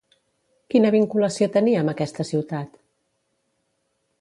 Quina vinculació tenia amb aquesta ciutat?